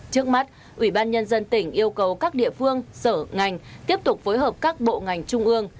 trước mắt ủy ban nhân dân tỉnh yêu cầu các địa phương sở ngành tiếp tục phối hợp các bộ ngành trung ương